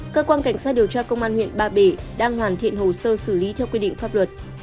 cơ quan cảnh sát điều tra công an huyện ba bể đang hoàn thiện hồ sơ xử lý theo quy định pháp luật